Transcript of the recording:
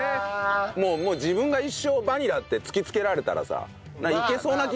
もう自分が一生バニラって突きつけられたらさいけそうな気がしない？